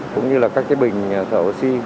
cũng như là các cái bình thẩm oxy